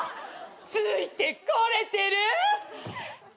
ついてこれてる？